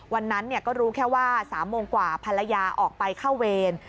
วันนั้นก็รู้แค่ว่า๓โมงกว่าภรรยาออกไปเข้าเวร